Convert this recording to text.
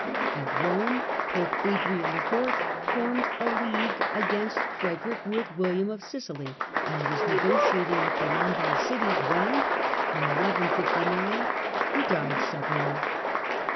At Kome Pope Adrian IV. formed a league against Frederick with William of Sicily, and was negotiating with the Lombard cities when, in 1159, he died suddenly.